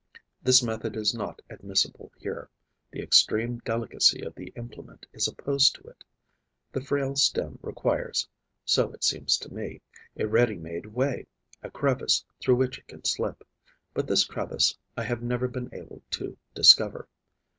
This method is not admissible here; the extreme delicacy of the implement is opposed to it. The frail stem requires, so it seems to me, a ready made way, a crevice through which it can slip; but this crevice I have never been able to discover.